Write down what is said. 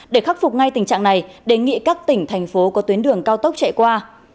để khắc phục ngay tình trạng này đề nghị các tỉnh thành phố có tuyến đường cao tốc chạy qua